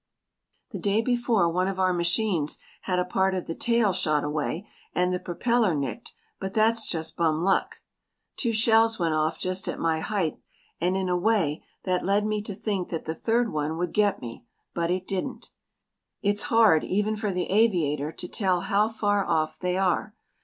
The day before one of our machines had a part of the tail shot away and the propeller nicked, but that's just bum luck. Two shells went off just at my height and in a way that led me to think that the third one would get me; but it didn't. It's hard even for the aviator to tell how far off they are.